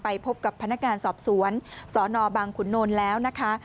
พบกับพนักงานสอบสวนสนบังขุนนลแล้วนะคะ